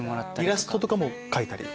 イラストとかも描いたり。